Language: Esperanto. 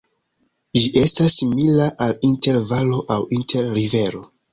Ĝi estas simila al inter-valo aŭ inter-rivero.